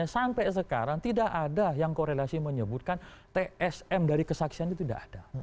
sampai sekarang tidak ada yang korelasi menyebutkan tsm dari kesaksian itu tidak ada